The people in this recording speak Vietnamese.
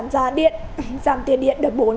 giảm tiền điện đợt bốn